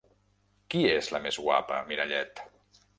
Qui és la més guapa, mirallet?